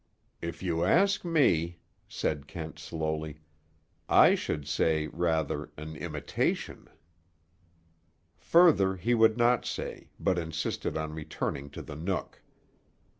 "If you ask me," said Kent slowly, "I should say, rather, an imitation." Further he would not say, but insisted on returning to the Nook.